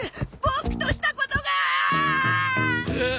ボクとしたことが！